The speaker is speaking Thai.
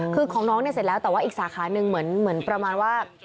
คือของน้องเนี่ยเสร็จแล้วแต่ว่าอีกสาขาหนึ่งเหมือนประมาณว่า